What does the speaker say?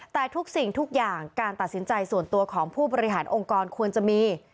แต่ทุกสิ่งทุกอย่างการตัดสินใจส่วนตัวของผู้บริหารองค์กรควรจะมี